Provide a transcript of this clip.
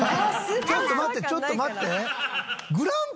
ちょっと待ってちょっと待って。